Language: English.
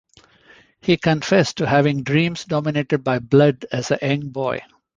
He confessed to having dreams dominated by blood as a young boy.